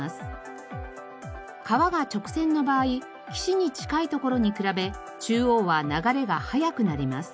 川が直線の場合岸に近い所に比べ中央は流れが速くなります。